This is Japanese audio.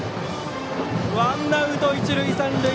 ワンアウト、一塁三塁。